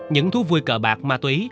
những thú vui cờ bạc ma túy